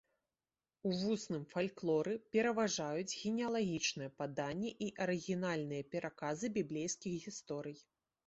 У вусным фальклоры пераважаюць генеалагічныя паданні і арыгінальныя пераказы біблейскіх гісторый.